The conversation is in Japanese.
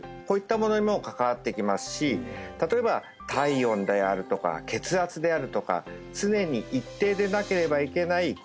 こういったものにも関わってきますし例えば体温であるとか血圧であるとか常に一定でなければいけない